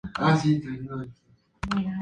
La actual iglesia es la tercera que se construyó.